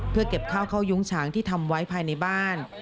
เผื่อจะเก็บภาพข้าวยุงฉางที่ทำไว้ภายในบ้าน